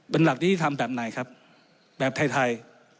เป็นหลักนิติธรรมแบบไหนครับแบบไทย